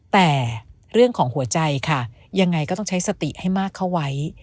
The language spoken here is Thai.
แต่เรื่องของหัวใจค่ะยังไงก็ต้องใช้สติให้มากเข้าไว้